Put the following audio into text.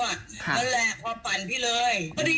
อ่าแพ้งค่ะ